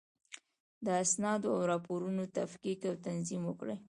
د اسنادو او راپورونو تفکیک او تنظیم وکړئ.